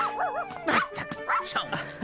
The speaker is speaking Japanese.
まったくしょうがない。